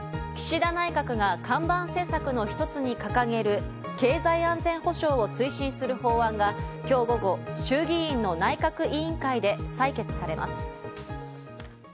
岸田内閣が看板政策の一つに掲げる経済安全保障を推進する法案が今日午後、衆議院の内閣委員会で採決されます。